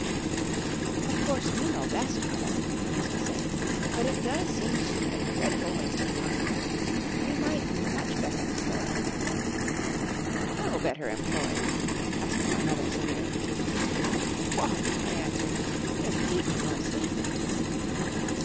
"Of course, you know best, mother," I used to say; "but it does seem to me a dreadful waste of time. We might be much better employed." "How better employed?" asked my mother severely. "Why," I answered, "in eating or sleeping."